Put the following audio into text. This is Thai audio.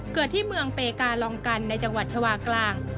เกิดที่เมืองเปกาลองกันในจังหวัดชาวากลาง